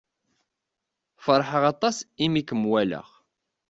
Feṛḥeɣ aṭas i mi kem-walaɣ.